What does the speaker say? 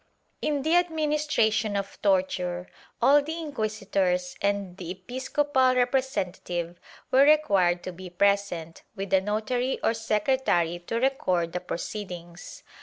In the administration of torture, all the inquisitors and the episcopal representative were required to be present, with a notary or secretary to record the proceedings.